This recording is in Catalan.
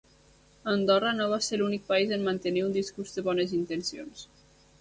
Andorra no va ser l’únic país en mantenir un discurs de bones intencions.